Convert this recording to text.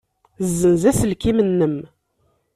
Ssenz aselkim-nnem.